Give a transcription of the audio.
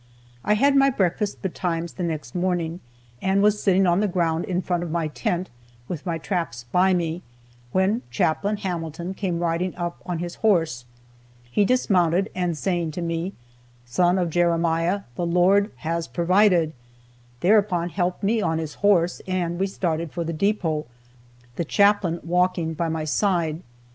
I had my breakfast betimes the next morning, and was sitting on the ground in front of my tent, with my traps by me, when Chaplain Hamilton came riding up on his horse. He dismounted, and saying to me, "Son of Jeremiah, the Lord has provided," thereupon helped me on his horse, and we started for the depot, the Chaplain walking by my side.